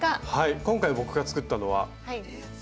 今回僕が作ったのはこれです。